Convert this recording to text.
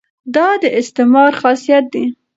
دا د استعمار خاصیت دی.